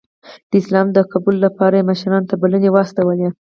د اسلام د قبول لپاره یې مشرانو ته بلنې واستولې.